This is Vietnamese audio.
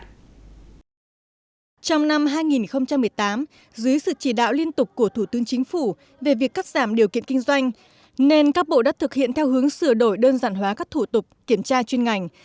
trong năm hai nghìn một mươi tám dưới sự chỉ đạo liên tục của thủ tướng chính phủ về việc cắt giảm điều kiện kinh doanh nên các bộ đã thực hiện theo hướng sửa đổi đơn giản hóa các thủ tục kiểm tra chuyên ngành